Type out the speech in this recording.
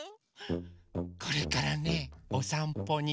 これからねおさんぽにいくの。